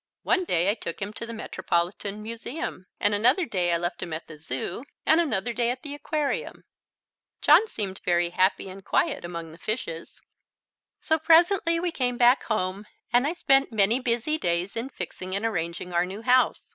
One day I took him to the Metropolitan Museum, and another day I left him at the Zoo, and another day at the aquarium. John seemed very happy and quiet among the fishes. So presently we came back home, and I spent many busy days in fixing and arranging our new house.